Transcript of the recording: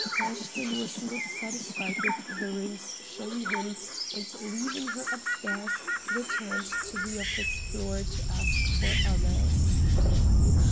Ashton was not satisfied with the rooms shown him, and leaving her upstairs returned to the office floor to ask for others.